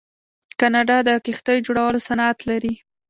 کاناډا د کښتیو جوړولو صنعت لري.